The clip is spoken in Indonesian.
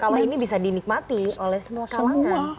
kalau ini bisa dinikmati oleh semua kalangan